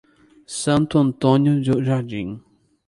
Santo Antônio do Jardim